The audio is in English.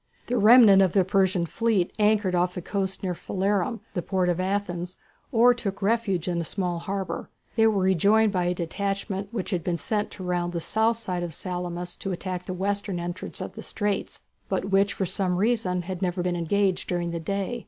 The remnant of the Persian fleet anchored off the coast near Phalerum, the port of Athens, or took refuge in the small harbour. They were rejoined by a detachment which had been sent to round the south side of Salamis to attack the western entrance of the straits, but which for some reason had never been engaged during the day.